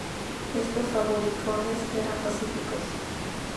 Estos aborígenes eran pacíficos.